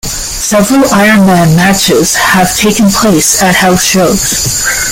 Several Iron Man matches have taken place at house shows.